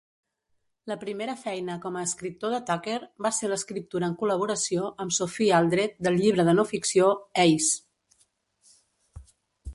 La primera feina com a escriptor de Tucker va ser l'escriptura en col·laboració amb Sophie Aldred del llibre de no-ficció "Ace!